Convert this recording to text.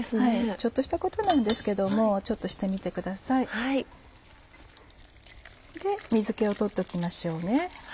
ちょっとしたことなんですけどもちょっとしてみてください。で水気を取っておきましょうね。